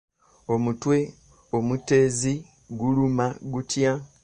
Omutwe omuteezi guluma gutya?